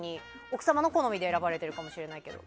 奥様の好みで選ばれてるかもしれないけど。